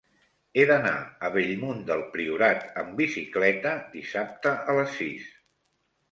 He d'anar a Bellmunt del Priorat amb bicicleta dissabte a les sis.